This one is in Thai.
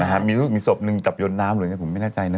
อ้าวมีศพหนึ่งกับยนต์น้ำหรืออย่างนี้ผมไม่น่าใจนะ